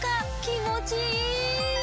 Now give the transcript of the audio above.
気持ちいい！